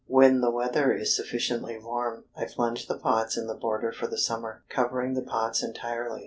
When the weather is sufficiently warm, I plunge the pots in the border for the summer, covering the pots entirely.